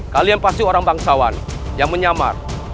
kalian pasti orang bangsawan yang menyamar